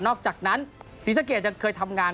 อกจากนั้นศรีสะเกดจะเคยทำงาน